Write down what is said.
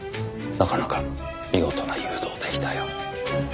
なかなか見事な誘導でしたよ。